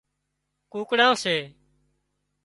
ڪوڪڙان سي